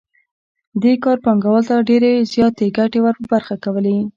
دې کار پانګوال ته ډېرې زیاتې ګټې ور په برخه کولې